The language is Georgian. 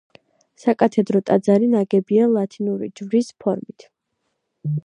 საკათედრო ტაძარი ნაგებია ლათინური ჯვრის ფორმით.